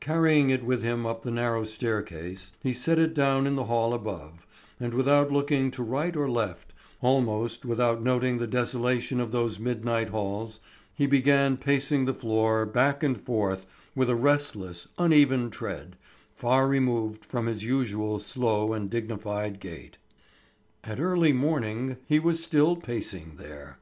Carrying it with him up the narrow staircase he set it down in the hall above, and without looking to right or left, almost without noting the desolation of those midnight halls, he began pacing the floor back and forth with a restless, uneven tread, far removed from his usual slow and dignified gait. At early morning he was still pacing there.